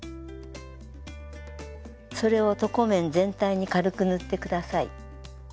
それを床面全体に軽く塗って下さい。